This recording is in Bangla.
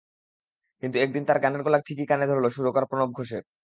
কিন্তু একদিন তাঁর গানের গলা ঠিকই কানে ধরল সুরকার প্রণব ঘোষের।